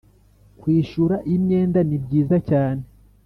kwishyura imyenda ni byiza cyane